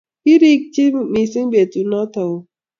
kirikchi mising betut noto oo